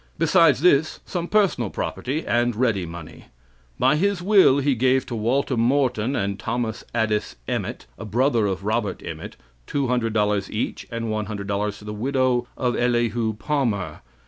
Besides this, some personal property and ready money. By his will he gave to Walter Morton and Thomas Addis Emmet, a brother of Robert Emmet, $200 each, and $100 to the widow of Elihu Palmer.